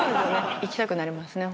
行きたくなりますね。